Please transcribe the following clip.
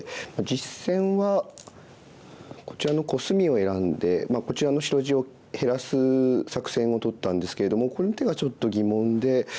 実戦はこちらのコスミを選んでこちらの白地を減らす作戦をとったんですけれどもこの手がちょっと疑問で。